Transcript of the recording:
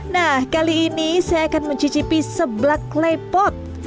nah kali ini saya akan mencicipi seblak klepot